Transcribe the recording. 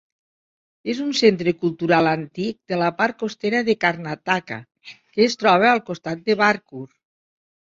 És un centre cultural antic de la part costera de Karnataka que es troba al costat de Barkur.